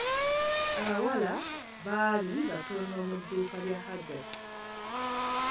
Abawala baali batono mu dduuka lya Hajjati.